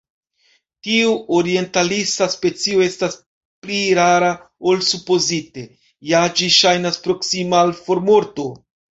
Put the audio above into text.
Tiu orientalisa specio estas pli rara ol supozite; ja ĝi ŝajnas proksima al formorto.